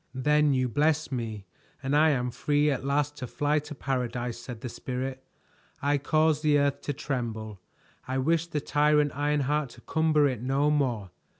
"Then you bless me and I am free at last to fly to paradise," said the Spirit. "I caused the earth to tremble. I wished the tyrant Ironheart to cumber it no more.